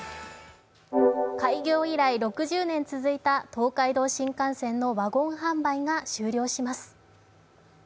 開業以来６０年続いた東海道新幹線のワゴン販売が終了します。